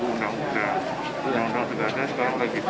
undang undang presiden sekarang udah gitu